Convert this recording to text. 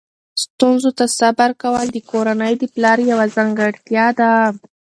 ستونزو ته صبر کول د کورنۍ د پلار یوه ځانګړتیا ده.